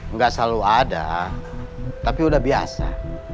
nggak selalu ada tapi udah biasa